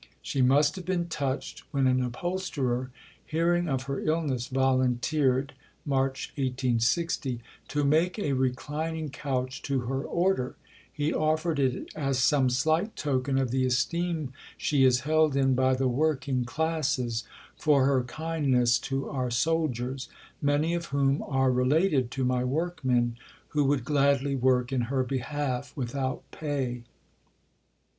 She must have been touched when an upholsterer, hearing of her illness, volunteered (March 1860) to make a reclining couch to her order; he offered it "as some slight token of the esteem she is held in by the working classes for her kindness to our soldiers, many of whom are related to my workmen who would gladly work in her behalf without pay."